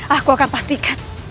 aku akan pastikan